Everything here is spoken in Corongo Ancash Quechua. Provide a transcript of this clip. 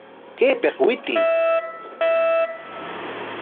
¡Allqu, kaypik witiy!